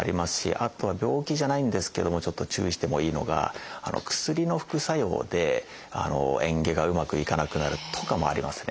あとは病気じゃないんですけどもちょっと注意してもいいのが薬の副作用でえん下がうまくいかなくなるとかもありますね。